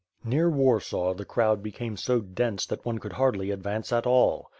Near Warsaw, the crowd became so dense that one could hardly advance at all.